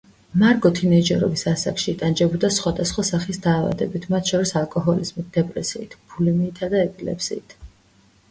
მარგო თინეიჯერობის ასაკში იტანჯებოდა სხვადასხვა სახის დაავადებით, მათ შორის ალკოჰოლიზმით, დეპრესიით, ბულიმიითა და ეპილეფსიით.